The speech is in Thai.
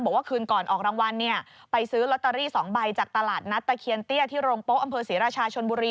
บอกว่าคืนก่อนออกรางวัลเนี่ยไปซื้อลอตเตอรี่๒ใบจากตลาดนัดตะเคียนเตี้ยที่โรงโป๊อำเภอศรีราชาชนบุรี